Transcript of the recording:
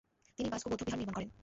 তিনি বাসগো বৌদ্ধবিহার নির্মাণ করেন।